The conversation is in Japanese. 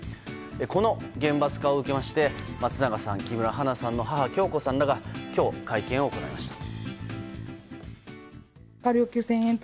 この厳罰化を受けまして松永さん、木村花さんの母響子さんらが会見を行いました。